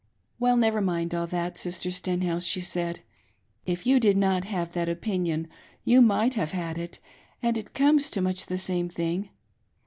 "Well, never mind all that, Sister Stenhouse," she said, "If you did not have that opinion you might have had it, and it comes to much the same thing.